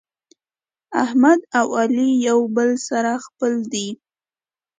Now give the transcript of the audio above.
احمد او علي یو له بل سره خپل دي.